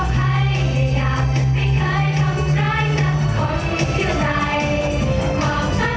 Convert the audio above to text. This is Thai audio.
ใส่เข้าไปทุกอย่างมีร้านเท่าไหร่